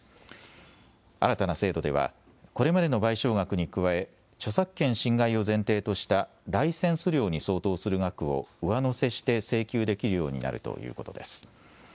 新たな制度ではこれまでの賠償額に加え著作権侵害を前提としたライセンス料に相当する額を上乗せして請求できるようになるということです。